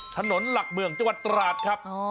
ถนนหลักเมืองจังหวัดตราดครับ